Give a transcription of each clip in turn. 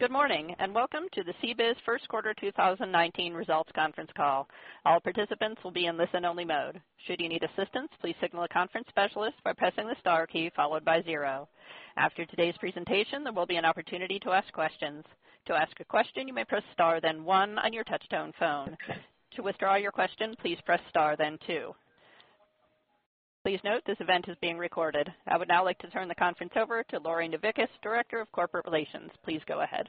Good morning, and welcome to the CBIZ first quarter 2019 results conference call. All participants will be in listen only mode. Should you need assistance, please signal a conference specialist by pressing the star key followed by zero. After today's presentation, there will be an opportunity to ask questions. To ask a question, you may press star then one on your touch-tone phone. To withdraw your question, please press star then two. Please note this event is being recorded. I would now like to turn the conference over to Lori Novickis, Director of Corporate Relations. Please go ahead.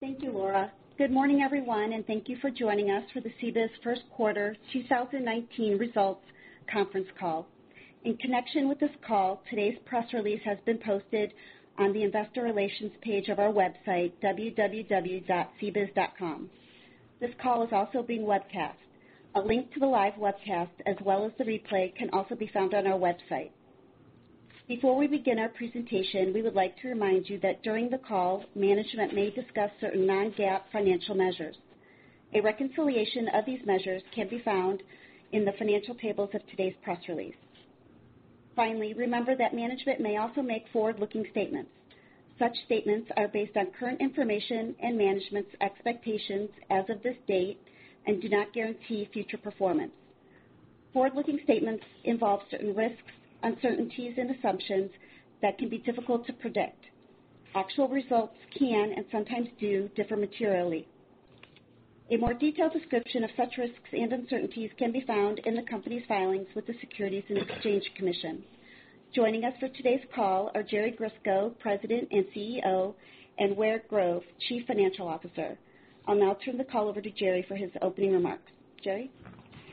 Thank you, Laura. Good morning, everyone, and thank you for joining us for the CBIZ first quarter 2019 results conference call. In connection with this call, today's press release has been posted on the investor relations page of our website, www.cbiz.com. This call is also being webcast. A link to the live webcast as well as the replay can also be found on our website. Before we begin our presentation, we would like to remind you that during the call, management may discuss certain non-GAAP financial measures. A reconciliation of these measures can be found in the financial tables of today's press release. Remember that management may also make forward-looking statements. Such statements are based on current information and management's expectations as of this date and do not guarantee future performance. Forward-looking statements involve certain risks, uncertainties, and assumptions that can be difficult to predict. Actual results can, and sometimes do, differ materially. A more detailed description of such risks and uncertainties can be found in the company's filings with the Securities and Exchange Commission. Joining us for today's call are Jerry Grisko, President and CEO, and Ware Grove, Chief Financial Officer. I'll now turn the call over to Jerry for his opening remarks. Jerry?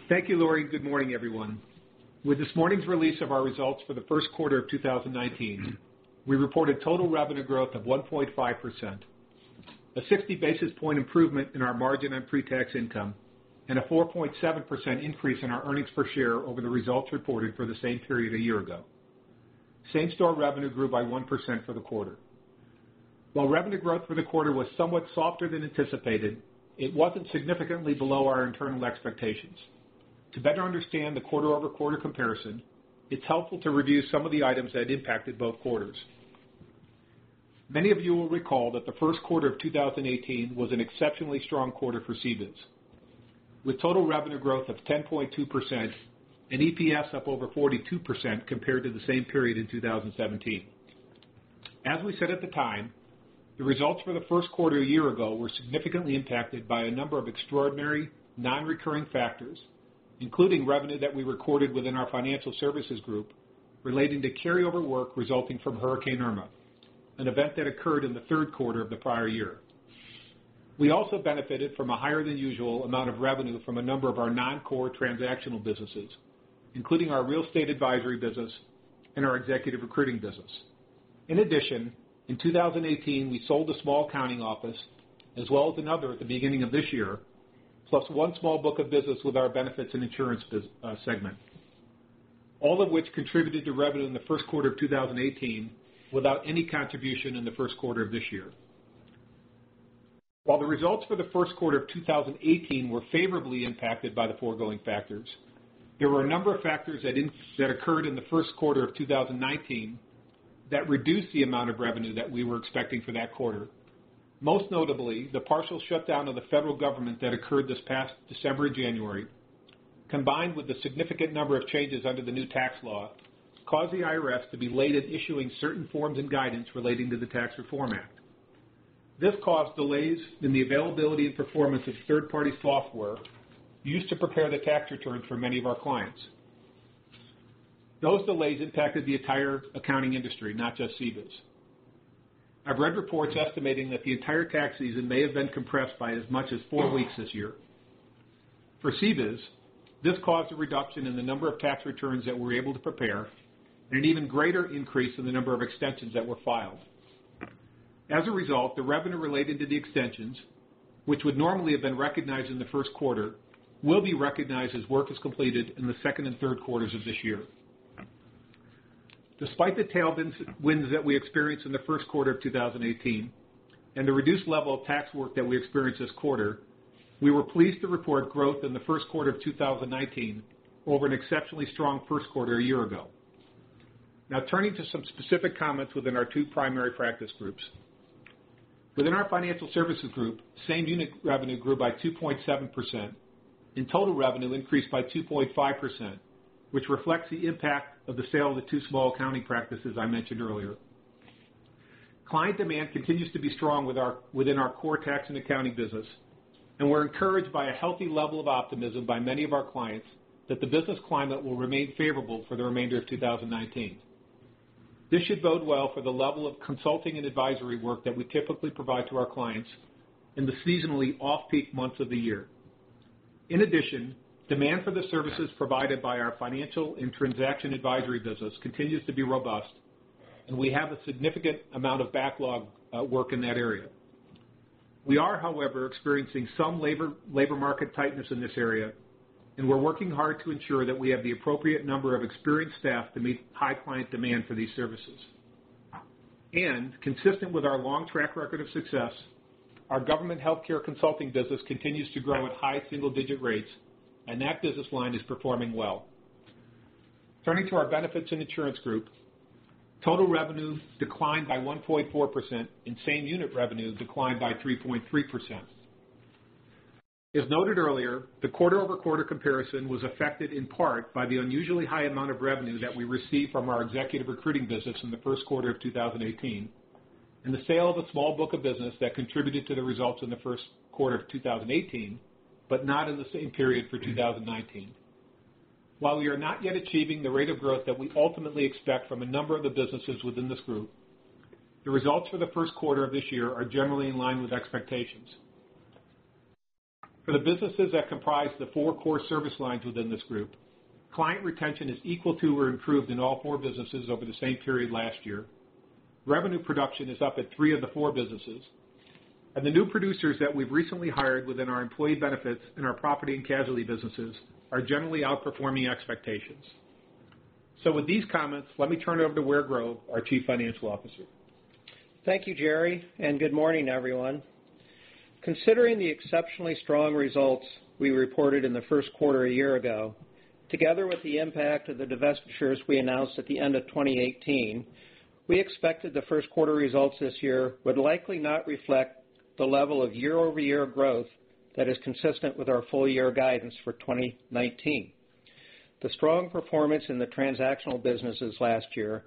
Thank you, Lori. Good morning, everyone. With this morning's release of our results for the first quarter of 2019, we reported total revenue growth of 1.5%, a 60 basis point improvement in our margin and pre-tax income, and a 4.7% increase in our earnings per share over the results reported for the same period a year ago. Same-store revenue grew by 1% for the quarter. While revenue growth for the quarter was somewhat softer than anticipated, it wasn't significantly below our internal expectations. To better understand the quarter-over-quarter comparison, it's helpful to review some of the items that impacted both quarters. Many of you will recall that the first quarter of 2018 was an exceptionally strong quarter for CBIZ, with total revenue growth of 10.2% and EPS up over 42% compared to the same period in 2017. As we said at the time, the results for the first quarter a year ago were significantly impacted by a number of extraordinary non-recurring factors, including revenue that we recorded within our financial services group relating to carryover work resulting from Hurricane Irma, an event that occurred in the third quarter of the prior year. We also benefited from a higher than usual amount of revenue from a number of our non-core transactional businesses, including our real estate advisory business and our executive recruiting business. In addition, in 2018, we sold a small accounting office as well as another at the beginning of this year, plus one small book of business with our Benefits and Insurance Segment. All of which contributed to revenue in the first quarter of 2018 without any contribution in the first quarter of this year. While the results for the first quarter of 2018 were favorably impacted by the foregoing factors, there were a number of factors that occurred in the first quarter of 2019 that reduced the amount of revenue that we were expecting for that quarter. Most notably, the partial shutdown of the federal government that occurred this past December and January, combined with the significant number of changes under the new tax law, caused the IRS to be late at issuing certain forms and guidance relating to the Tax Reform Act. This caused delays in the availability and performance of third-party software used to prepare the tax returns for many of our clients. Those delays impacted the entire accounting industry, not just CBIZ. I've read reports estimating that the entire tax season may have been compressed by as much as four weeks this year. For CBIZ, this caused a reduction in the number of tax returns that we're able to prepare and an even greater increase in the number of extensions that were filed. As a result, the revenue related to the extensions, which would normally have been recognized in the first quarter, will be recognized as work is completed in the second and third quarters of this year. Despite the tailwinds that we experienced in the first quarter of 2018 and the reduced level of tax work that we experienced this quarter, we were pleased to report growth in the first quarter of 2019 over an exceptionally strong first quarter a year ago. Turning to some specific comments within our two primary practice groups. Within our Financial Services Group, same unit revenue grew by 2.7% and total revenue increased by 2.5%, which reflects the impact of the sale of the two small accounting practices I mentioned earlier. Client demand continues to be strong within our core tax and accounting business, and we're encouraged by a healthy level of optimism by many of our clients that the business climate will remain favorable for the remainder of 2019. This should bode well for the level of consulting and advisory work that we typically provide to our clients in the seasonally off-peak months of the year. In addition, demand for the services provided by our Financial and Transaction Advisory Business continues to be robust, and we have a significant amount of backlog work in that area. We are, however, experiencing some labor market tightness in this area, and we're working hard to ensure that we have the appropriate number of experienced staff to meet high client demand for these services. Consistent with our long track record of success, our government healthcare consulting business continues to grow at high single-digit rates, and that business line is performing well. Turning to our benefits and insurance group, total revenue declined by 1.4%, and same unit revenue declined by 3.3%. As noted earlier, the quarter-over-quarter comparison was affected in part by the unusually high amount of revenue that we received from our executive recruiting business in the first quarter of 2018, and the sale of a small book of business that contributed to the results in the first quarter of 2018, but not in the same period for 2019. While we are not yet achieving the rate of growth that we ultimately expect from a number of the businesses within this group, the results for the first quarter of this year are generally in line with expectations. For the businesses that comprise the four core service lines within this group, client retention is equal to or improved in all four businesses over the same period last year. Revenue production is up at three of the four businesses, and the new producers that we've recently hired within our employee benefits and our property and casualty businesses are generally outperforming expectations. With these comments, let me turn it over to Ware Grove, our Chief Financial Officer. Thank you, Jerry, and good morning, everyone. Considering the exceptionally strong results we reported in the first quarter a year ago, together with the impact of the divestitures we announced at the end of 2018, we expected the first quarter results this year would likely not reflect the level of year-over-year growth that is consistent with our full year guidance for 2019. The strong performance in the transactional businesses last year,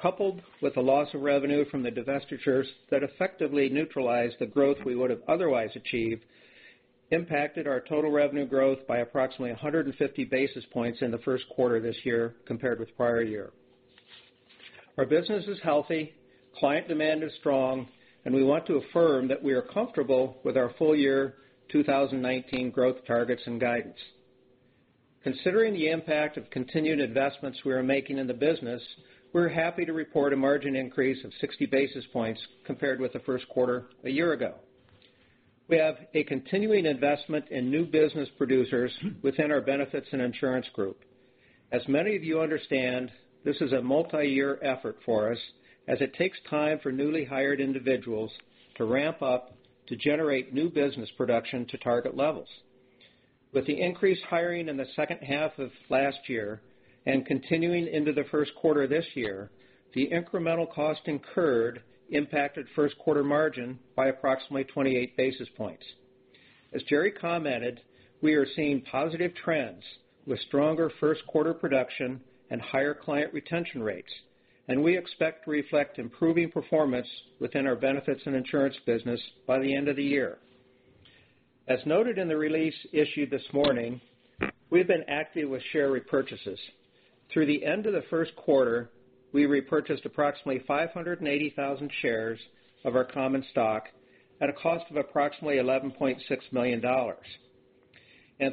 coupled with the loss of revenue from the divestitures that effectively neutralized the growth we would've otherwise achieved, impacted our total revenue growth by approximately 150 basis points in the first quarter this year compared with prior year. Our business is healthy, client demand is strong, and we want to affirm that we are comfortable with our full year 2019 growth targets and guidance. Considering the impact of continued investments we are making in the business, we're happy to report a margin increase of 60 basis points compared with the first quarter a year ago. We have a continuing investment in new business producers within our benefits and insurance group. As many of you understand, this is a multi-year effort for us as it takes time for newly hired individuals to ramp up to generate new business production to target levels. With the increased hiring in the second half of last year, and continuing into the first quarter this year, the incremental cost incurred impacted first quarter margin by approximately 28 basis points. As Jerry commented, we are seeing positive trends with stronger first quarter production and higher client retention rates, and we expect to reflect improving performance within our benefits and insurance business by the end of the year. As noted in the release issued this morning, we've been active with share repurchases. Through the end of the first quarter, we repurchased approximately 580,000 shares of our common stock at a cost of approximately $11.6 million.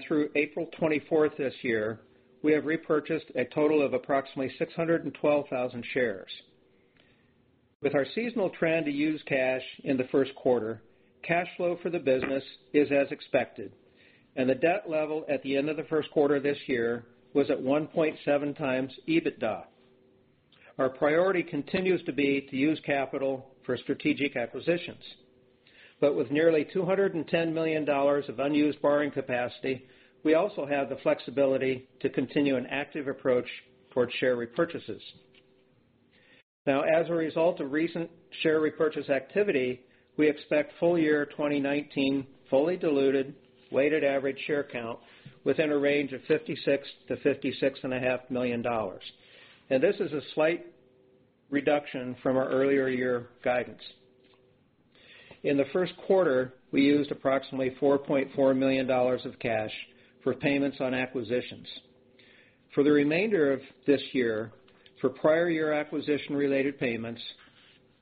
Through April 24th this year, we have repurchased a total of approximately 612,000 shares. With our seasonal trend to use cash in the first quarter, cash flow for the business is as expected, and the debt level at the end of the first quarter this year was at 1.7 times EBITDA. Our priority continues to be to use capital for strategic acquisitions. With nearly $210 million of unused borrowing capacity, we also have the flexibility to continue an active approach towards share repurchases. As a result of recent share repurchase activity, we expect full year 2019 fully diluted, weighted average share count within a range of $56 million-$56.5 million. This is a slight reduction from our earlier year guidance. In the first quarter, we used approximately $4.4 million of cash for payments on acquisitions. For the remainder of this year, for prior year acquisition-related payments,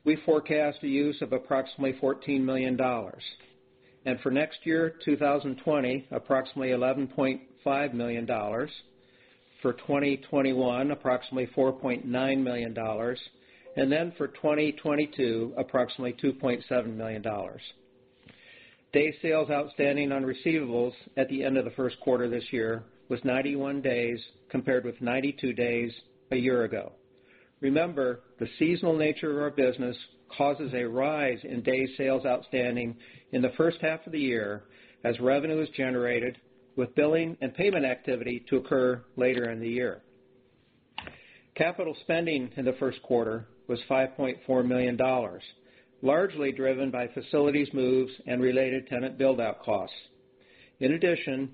we forecast the use of approximately $14 million. For next year, 2020, approximately $11.5 million. For 2021, approximately $4.9 million, for 2022, approximately $2.7 million. DSO on receivables at the end of the first quarter this year was 91 days, compared with 92 days a year ago. Remember, the seasonal nature of our business causes a rise in DSO in the first half of the year as revenue is generated with billing and payment activity to occur later in the year. Capital spending in the first quarter was $5.4 million. Largely driven by facilities moves and related tenant build-out costs. In addition,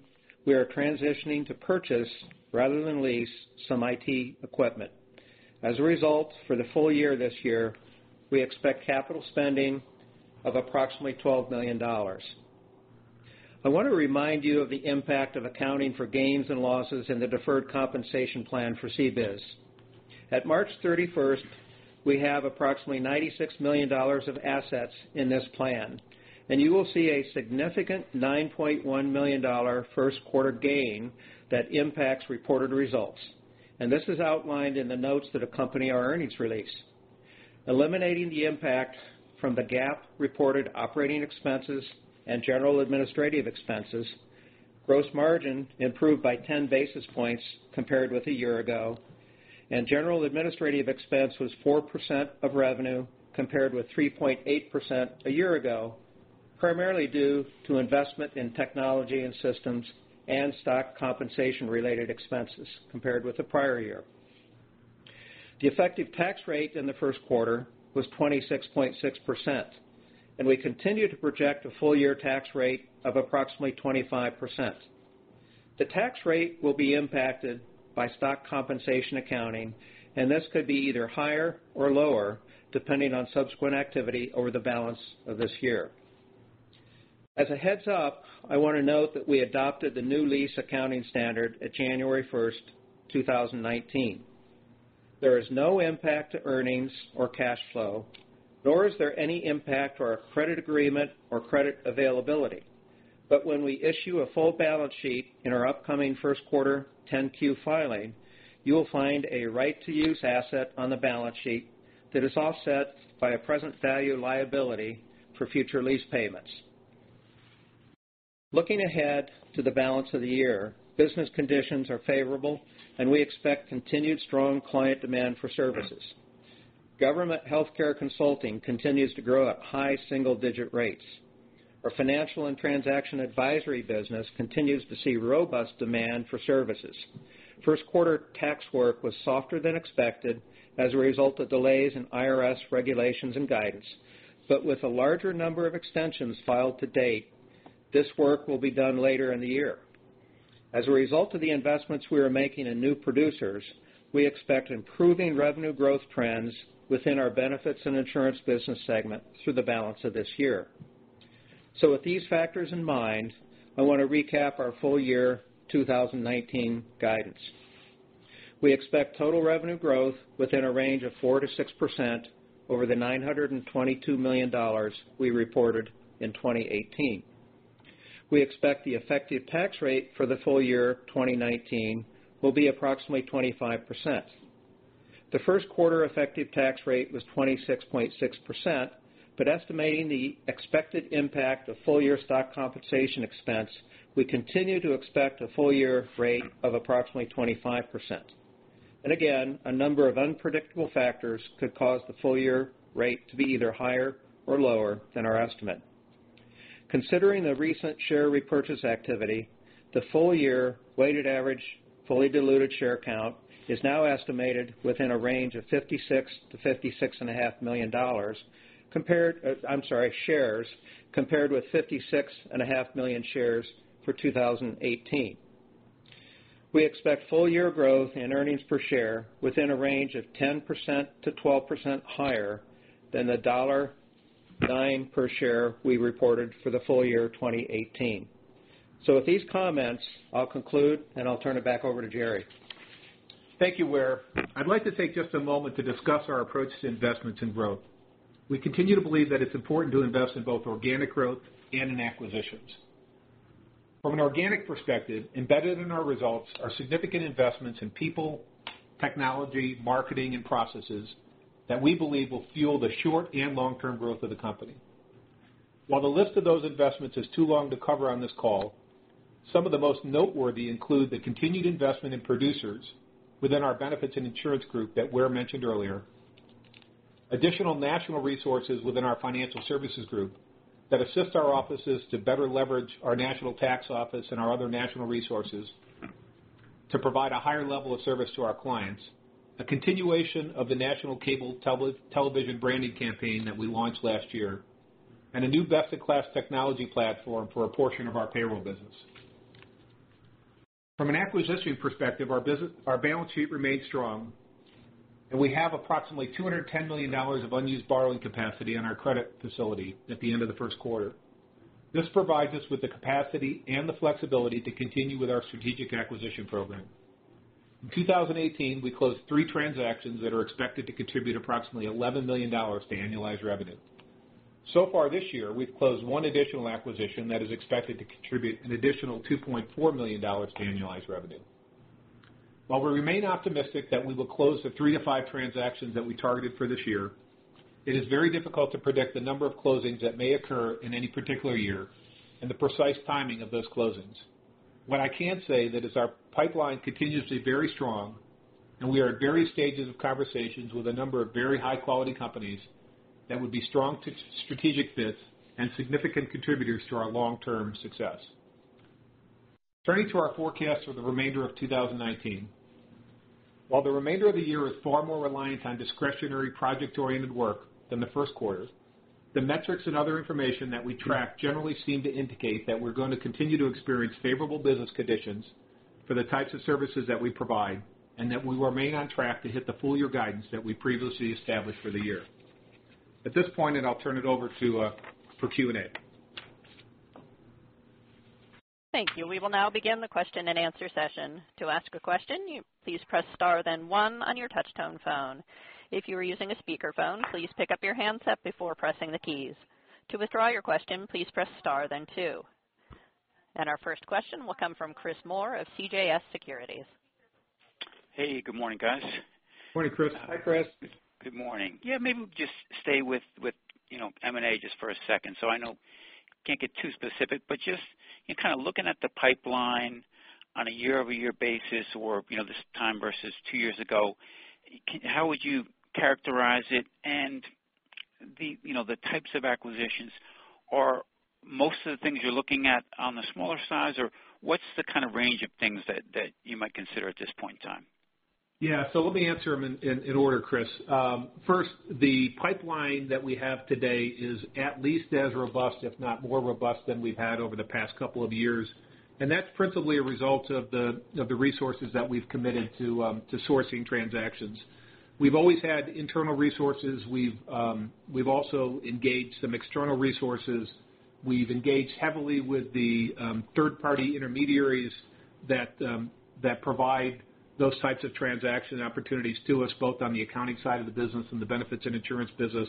we are transitioning to purchase rather than lease some IT equipment. As a result, for the full year this year, we expect capital spending of approximately $12 million. I want to remind you of the impact of accounting for gains and losses in the deferred compensation plan for CBIZ. At March 31st, we have approximately $96 million of assets in this plan. You will see a significant $9.1 million first quarter gain that impacts reported results. This is outlined in the notes that accompany our earnings release. Eliminating the impact from the GAAP reported operating expenses and general administrative expenses, gross margin improved by 10 basis points compared with a year ago. General administrative expense was 4% of revenue compared with 3.8% a year ago. Primarily due to investment in technology and systems and stock compensation related expenses compared with the prior year. The effective tax rate in the first quarter was 26.6%. We continue to project a full year tax rate of approximately 25%. The tax rate will be impacted by stock compensation accounting, this could be either higher or lower, depending on subsequent activity over the balance of this year. As a heads up, I want to note that we adopted the new lease accounting standard at January 1st, 2019. There is no impact to earnings or cash flow, nor is there any impact to our credit agreement or credit availability. When we issue a full balance sheet in our upcoming first quarter 10-Q filing, you will find a right-of-use asset on the balance sheet that is offset by a present value liability for future lease payments. Looking ahead to the balance of the year, business conditions are favorable, and we expect continued strong client demand for services. Government healthcare consulting continues to grow at high single-digit rates. Our financial and transaction advisory business continues to see robust demand for services. First quarter tax work was softer than expected as a result of delays in IRS regulations and guidance. With a larger number of extensions filed to date, this work will be done later in the year. As a result of the investments we are making in new producers, we expect improving revenue growth trends within our benefits and insurance business segment through the balance of this year. With these factors in mind, I want to recap our full year 2019 guidance. We expect total revenue growth within a range of 4%-6% over the $922 million we reported in 2018. We expect the effective tax rate for the full year 2019 will be approximately 25%. The first quarter effective tax rate was 26.6%. Estimating the expected impact of full-year stock compensation expense, we continue to expect a full-year rate of approximately 25%. Again, a number of unpredictable factors could cause the full-year rate to be either higher or lower than our estimate. Considering the recent share repurchase activity, the full-year weighted average fully diluted share count is now estimated within a range of 56 million to 56.5 million shares compared with 56.5 million shares for 2018. We expect full year growth in earnings per share within a range of 10%-12% higher than the $9 per share we reported for the full year 2018. With these comments, I'll conclude, and I'll turn it back over to Jerry. Thank you, Ware. I'd like to take just a moment to discuss our approach to investments and growth. We continue to believe that it's important to invest in both organic growth and in acquisitions. From an organic perspective, embedded in our results are significant investments in people, technology, marketing, and processes that we believe will fuel the short and long-term growth of the company. While the list of those investments is too long to cover on this call, some of the most noteworthy include the continued investment in producers within our benefits and insurance group that Ware mentioned earlier. Additional national resources within our financial services group that assist our offices to better leverage our national tax office and our other national resources to provide a higher level of service to our clients. A continuation of the national cable television branding campaign that we launched last year. A new best-in-class technology platform for a portion of our payroll business. From an acquisition perspective, our balance sheet remains strong, and we have approximately $210 million of unused borrowing capacity on our credit facility at the end of the first quarter. This provides us with the capacity and the flexibility to continue with our strategic acquisition program. In 2018, we closed three transactions that are expected to contribute approximately $11 million to annualized revenue. So far this year, we've closed one additional acquisition that is expected to contribute an additional $2.4 million to annualized revenue. While we remain optimistic that we will close the three to five transactions that we targeted for this year, it is very difficult to predict the number of closings that may occur in any particular year and the precise timing of those closings. What I can say is that our pipeline continues to be very strong, and we are at various stages of conversations with a number of very high-quality companies that would be strong strategic fits and significant contributors to our long-term success. Turning to our forecast for the remainder of 2019. While the remainder of the year is far more reliant on discretionary project-oriented work than the first quarter, the metrics and other information that we track generally seem to indicate that we're going to continue to experience favorable business conditions for the types of services that we provide, and that we will remain on track to hit the full-year guidance that we previously established for the year. At this point, and I'll turn it over for Q&A. Thank you. We will now begin the question and answer session. To ask a question, please press star then one on your touch-tone phone. If you are using a speakerphone, please pick up your handset before pressing the keys. To withdraw your question, please press star then two. Our first question will come from Christopher Moore of CJS Securities. Hey, good morning, guys. Morning, Chris. Hi, Chris. Good morning. Yeah, maybe we just stay with M&A just for a second. I know you can't get too specific, but just in kind of looking at the pipeline on a year-over-year basis or this time versus two years ago. How would you characterize it and the types of acquisitions? Are most of the things you're looking at on the smaller size, or what's the kind of range of things that you might consider at this point in time? Yeah. Let me answer them in order, Chris. First, the pipeline that we have today is at least as robust, if not more robust, than we've had over the past couple of years. That's principally a result of the resources that we've committed to sourcing transactions. We've always had internal resources. We've also engaged some external resources. We've engaged heavily with the third-party intermediaries that provide those types of transaction opportunities to us, both on the accounting side of the business and the benefits & insurance business.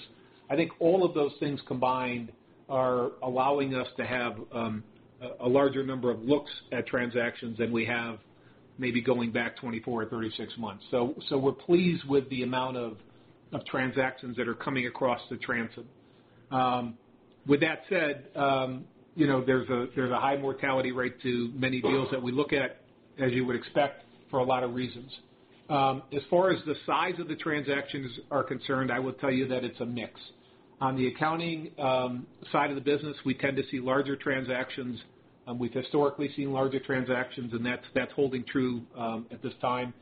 I think all of those things combined are allowing us to have a larger number of looks at transactions than we have maybe going back 24 or 36 months. We're pleased with the amount of transactions that are coming across the transom. With that said, there's a high mortality rate to many deals that we look at, as you would expect, for a lot of reasons. As far as the size of the transactions are concerned, I will tell you that it's a mix. On the accounting side of the business, we tend to see larger transactions. We've historically seen larger transactions, and that's holding true at this time,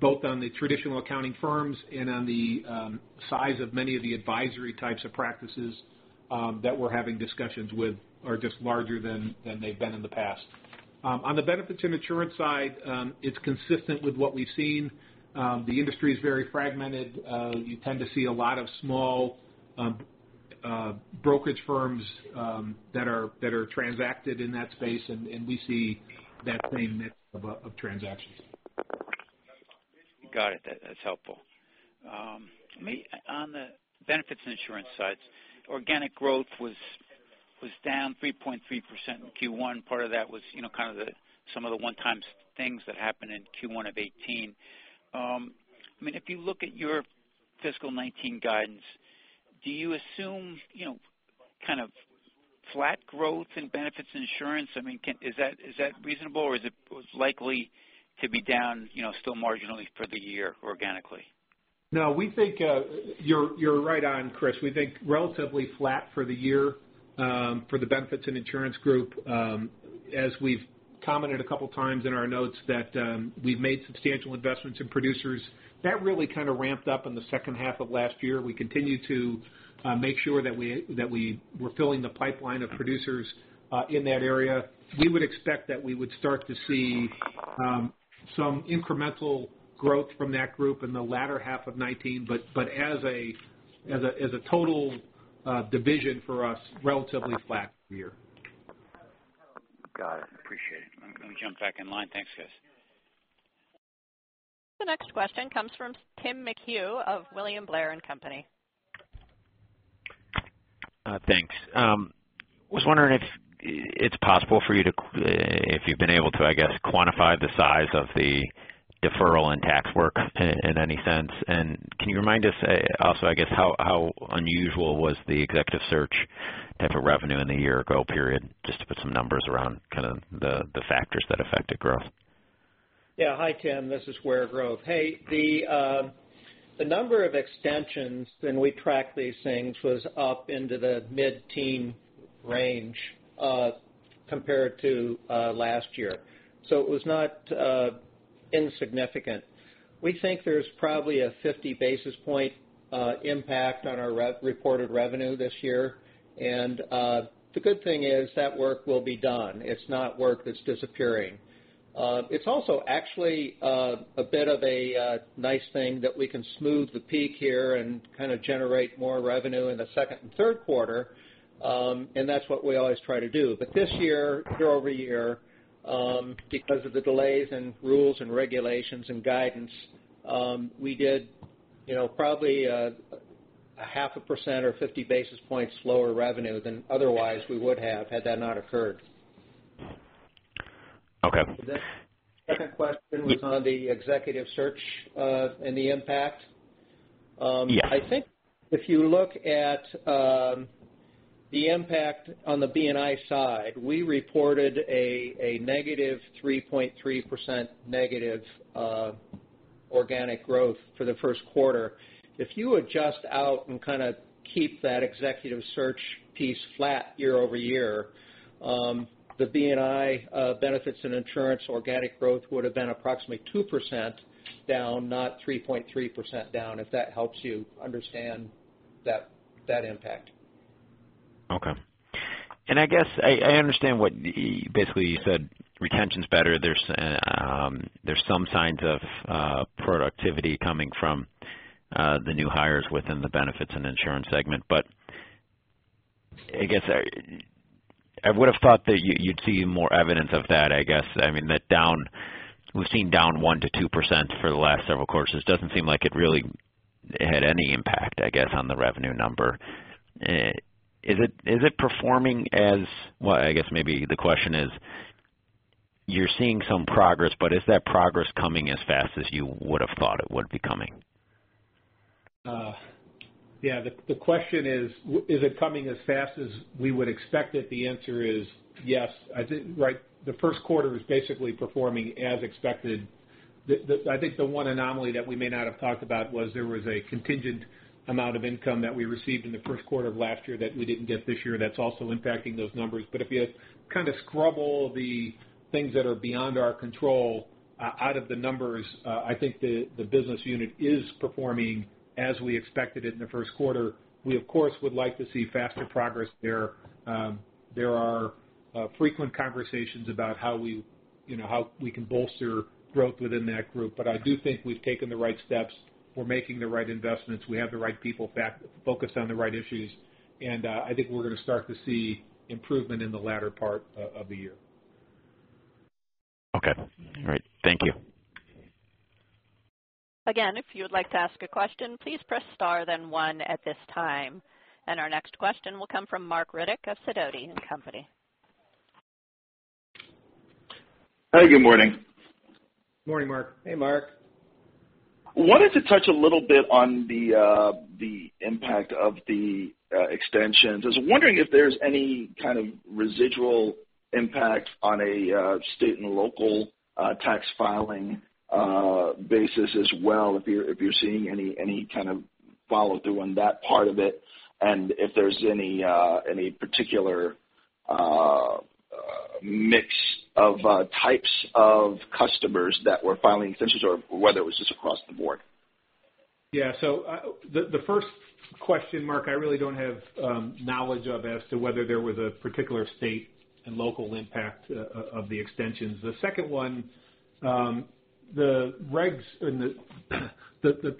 both on the traditional accounting firms and on the size of many of the advisory types of practices that we're having discussions with are just larger than they've been in the past. On the benefits & insurance side, it's consistent with what we've seen. The industry is very fragmented. You tend to see a lot of small brokerage firms that are transacted in that space, and we see that same mix of transactions. Got it. That's helpful. On the benefits & insurance sides, organic growth was down 3.3% in Q1. Part of that was kind of some of the one-time things that happened in Q1 of 2018. If you look at your fiscal 2019 guidance, do you assume kind of flat growth in benefits & insurance? I mean, is that reasonable, or is it likely to be down still marginally for the year organically? No, we think you're right on, Chris. We think relatively flat for the year for the benefits & insurance group. As we've commented a couple times in our notes, that we've made substantial investments in producers. That really kind of ramped up in the second half of last year. We continue to make sure that we're filling the pipeline of producers in that area. We would expect that we would start to see some incremental growth from that group in the latter half of 2019. As a total division for us, relatively flat year. Got it. Appreciate it. Let me jump back in line. Thanks, guys. The next question comes from Timothy McHugh of William Blair & Company. Thanks. Was wondering if you've been able to, I guess, quantify the size of the deferral in tax work in any sense. Can you remind us also, I guess, how unusual was the executive search type of revenue in the year-ago period, just to put some numbers around kind of the factors that affected growth? Yeah. Hi, Tim. This is Ware Grove. Hey, the number of extensions, and we track these things, was up into the mid-teen range compared to last year, it was not insignificant. We think there's probably a 50 basis points impact on our reported revenue this year, the good thing is that work will be done. It's not work that's disappearing. It's also actually a bit of a nice thing that we can smooth the peak here and kind of generate more revenue in the second and third quarter, that's what we always try to do. This year-over-year, because of the delays in rules and regulations and guidance, we did probably a half a percent or 50 basis points lower revenue than otherwise we would have had that not occurred. Okay. The second question was on the executive search and the impact. Yeah. I think if you look at the impact on the B&I side, we reported a negative 3.3% negative organic growth for the first quarter. If you adjust out and kind of keep that executive search piece flat year-over-year, the B&I, benefits and insurance organic growth would have been approximately 2% down, not 3.3% down, if that helps you understand that impact. Okay. I guess I understand what basically you said, retention's better. There's some signs of productivity coming from the new hires within the benefits and insurance segment. I guess I would've thought that you'd see more evidence of that, I guess. I mean, we've seen down 1%-2% for the last several quarters. Doesn't seem like it really had any impact, I guess, on the revenue number. Is it performing as Well, I guess maybe the question is you're seeing some progress, but is that progress coming as fast as you would have thought it would be coming? Yeah, the question is: is it coming as fast as we would expect it? The answer is yes. The first quarter is basically performing as expected. I think the one anomaly that we may not have talked about was there was a contingent amount of income that we received in the first quarter of last year that we didn't get this year, that's also impacting those numbers. If you kind of scrub all the things that are beyond our control out of the numbers, I think the business unit is performing as we expected it in the first quarter. We, of course, would like to see faster progress there. There are frequent conversations about how we can bolster growth within that group, but I do think we've taken the right steps. We're making the right investments. We have the right people focused on the right issues, I think we're going to start to see improvement in the latter part of the year. Okay, great. Thank you. Again, if you would like to ask a question, please press star then one at this time. Our next question will come from Marc Riddick of Sidoti & Company. Hi, good morning. Morning, Marc. Hey, Marc. Wanted to touch a little bit on the impact of the extensions. I was wondering if there's any kind of residual impact on a state and local tax filing basis as well, if you're seeing any kind of follow-through on that part of it, and if there's any particular mix of types of customers that were filing extensions or whether it was just across the board. Yeah. The first question, Marc, I really don't have knowledge of as to whether there was a particular state and local impact of the extensions. The second one, the regs and the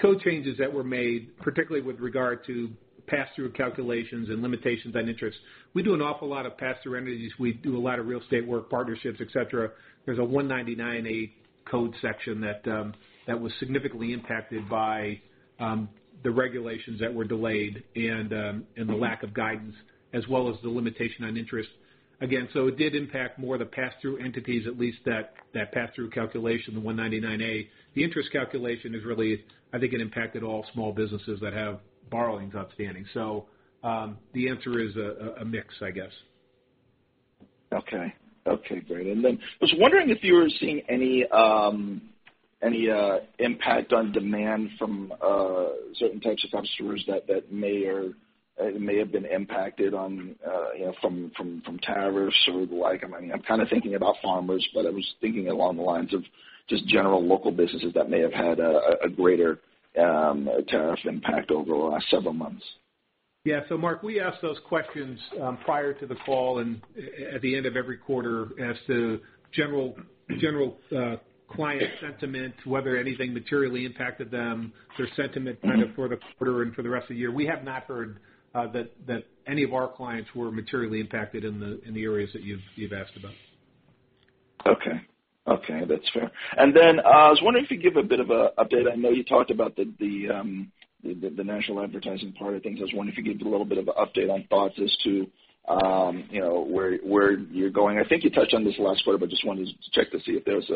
code changes that were made, particularly with regard to pass-through calculations and limitations on interest. We do an awful lot of pass-through entities. We do a lot of real estate work, partnerships, et cetera. There's a Section 199A code section that was significantly impacted by the regulations that were delayed and the lack of guidance, as well as the limitation on interest. Again, it did impact more the pass-through entities, at least that pass-through calculation, the Section 199A. The interest calculation is really, I think it impacted all small businesses that have borrowings outstanding. The answer is a mix, I guess. Okay. Okay, great. I was wondering if you were seeing any impact on demand from certain types of customers that may have been impacted from tariffs or the like. I'm kind of thinking about farmers, but I was thinking along the lines of just general local businesses that may have had a greater tariff impact over the last several months. Marc, we asked those questions prior to the call and at the end of every quarter as to general client sentiment, whether anything materially impacted them, their sentiment kind of for the quarter and for the rest of the year. We have not heard that any of our clients were materially impacted in the areas that you've asked about. Okay. Okay, that's fair. I was wondering if you'd give a bit of an update. I know you talked about the national advertising part of things. I was wondering if you'd give a little bit of an update on thoughts as to where you're going. I think you touched on this last quarter, just wanted to check to see if there was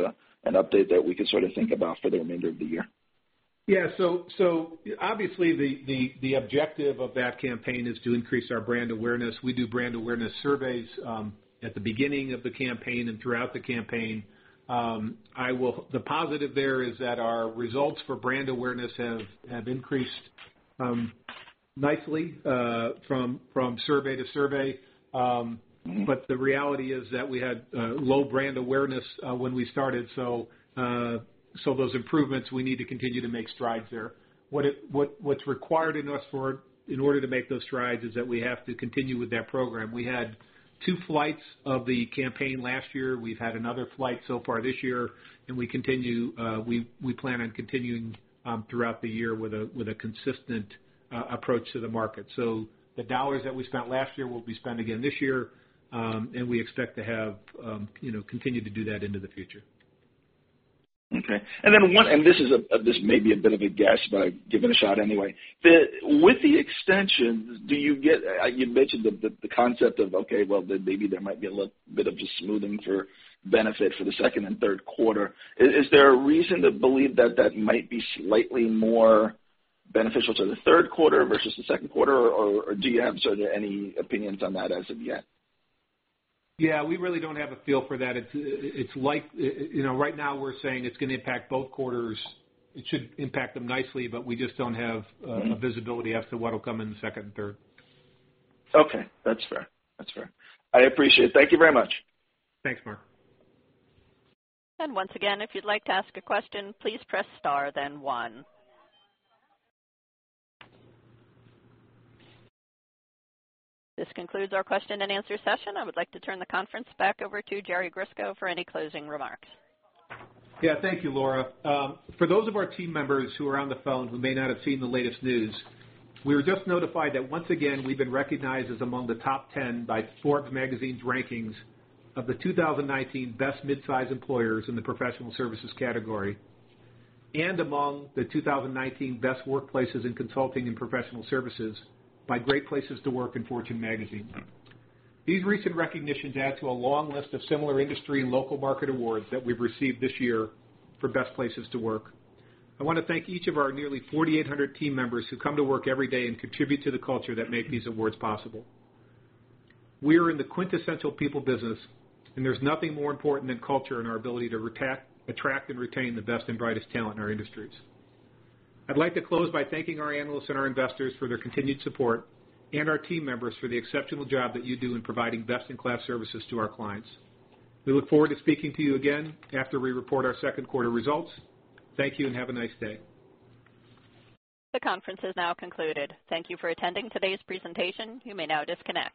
an update that we could sort of think about for the remainder of the year. Obviously, the objective of that campaign is to increase our brand awareness. We do brand awareness surveys, at the beginning of the campaign and throughout the campaign. The positive there is that our results for brand awareness have increased nicely from survey to survey. The reality is that we had low brand awareness when we started. Those improvements, we need to continue to make strides there. What's required in order to make those strides is that we have to continue with that program. We had two flights of the campaign last year. We've had another flight so far this year, we plan on continuing throughout the year with a consistent approach to the market. The dollars that we spent last year will be spent again this year. We expect to continue to do that into the future. Okay. This may be a bit of a guess, I'll give it a shot anyway. With the extensions, you mentioned the concept of, okay, well, maybe there might be a little bit of just smoothing for benefit for the second and third quarter. Is there a reason to believe that that might be slightly more beneficial to the third quarter versus the second quarter, or do you have any opinions on that as of yet? Yeah, we really don't have a feel for that. Right now, we're saying it's going to impact both quarters. It should impact them nicely, but we just don't have a visibility as to what'll come in the second and third. Okay. That's fair. I appreciate it. Thank you very much. Thanks, Marc. Once again, if you'd like to ask a question, please press star then one. This concludes our question and answer session. I would like to turn the conference back over to Jerry Grisko for any closing remarks. Thank you, Laura. For those of our team members who are on the phone who may not have seen the latest news, we were just notified that once again, we've been recognized as among the top 10 by Forbes magazine's rankings of the 2019 best mid-size employers in the professional services category, and among the 2019 best workplaces in consulting and professional services by Great Place to Work in Fortune magazine. These recent recognitions add to a long list of similar industry and local market awards that we've received this year for best places to work. I want to thank each of our nearly 4,800 team members who come to work every day and contribute to the culture that make these awards possible. We are in the quintessential people business, and there's nothing more important than culture and our ability to attract and retain the best and brightest talent in our industries. I'd like to close by thanking our analysts and our investors for their continued support and our team members for the exceptional job that you do in providing best-in-class services to our clients. We look forward to speaking to you again after we report our second quarter results. Thank you and have a nice day. The conference has now concluded. Thank you for attending today's presentation. You may now disconnect.